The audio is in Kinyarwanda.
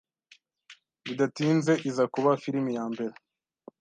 bidatinze iza kuba filimi ya mbere